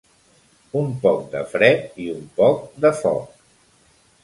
Un poc de fred i un poc de foc.